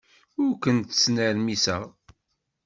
Ur ken-ttnermiseɣ.